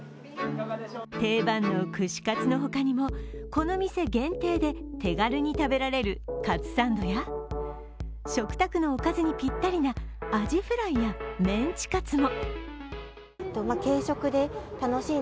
定番の串カツのほかにもこの店限定で手軽に食べられるカツサンドや食卓のおかずにぴったりなアジフライやメンチカツも。